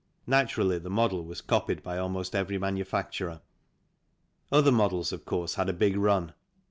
Naturally, the model was copied by almost every manufacturer. 16 THE CYCLE INDUSTRY Other models, of course, had a big run.